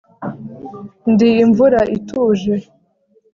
Ndi imvura ituje